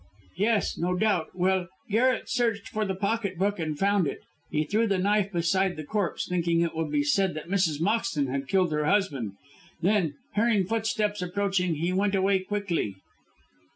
"Yes, no doubt. Well, Garret searched for the pocket book and found it. He threw the knife beside the corpse, thinking it would be said that Mrs. Moxton had killed her husband. Then, hearing footsteps approaching, he went away quickly."